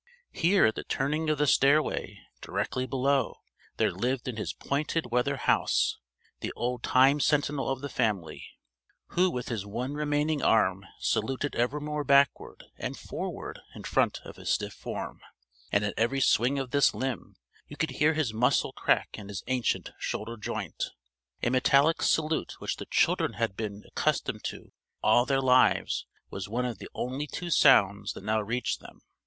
Here at the turning of the stairway, directly below, there lived in his pointed weather house the old Time Sentinel of the family, who with his one remaining arm saluted evermore backward and forward in front of his stiff form; and at every swing of this limb you could hear his muscle crack in his ancient shoulder joint. A metallic salute which the children had been accustomed to all their lives was one of the only two sounds that now reached them.